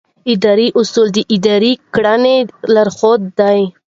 اداري اصول د ادارې د کړنو لارښود دي.